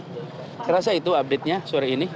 saya rasa itu update nya sore ini